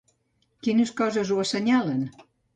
Quines coses ho assenyalen?